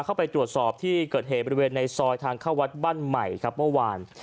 เข้าไปตรวจสอบที่เกิดเหตุบริเวณในซอยทางเข้าวัดบ้านใหม่ครับเมื่อวาน